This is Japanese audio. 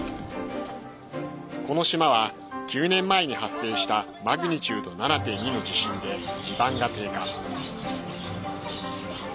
この島は９年前に発生したマグニチュード７．２の地震で地盤が低下。